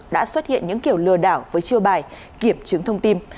đã xuất hiện những kiểu lừa đảo với chiêu bài kiểm chứng thông tin